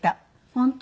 本当？